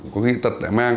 có khi tật đại mang